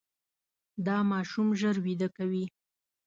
دا ماشوم ژر وده کوي.